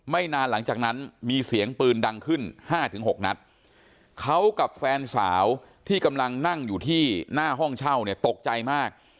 นานหลังจากนั้นมีเสียงปืนดังขึ้นห้าถึงหกนัดเขากับแฟนสาวที่กำลังนั่งอยู่ที่หน้าห้องเช่าเนี่ยตกใจมาก